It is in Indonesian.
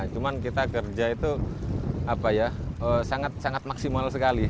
cuma kita kerja itu apa ya sangat maksimal sekali